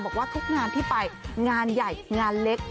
บอกว่าทุกงานที่ไปงานใหญ่งานเล็ก